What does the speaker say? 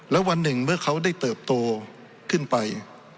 แล้ววันหนึ่งเมื่อเขาได้เติบโตขึ้นไป